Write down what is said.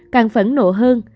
càng phẫn nộ hơn